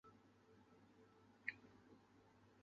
同时成为明治神宫的主祭司。